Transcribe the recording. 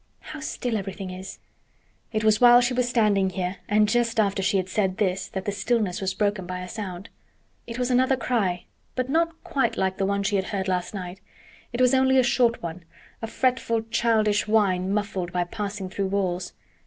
How still everything is!" It was while she was standing here and just after she had said this that the stillness was broken by a sound. It was another cry, but not quite like the one she had heard last night; it was only a short one, a fretful childish whine muffled by passing through walls.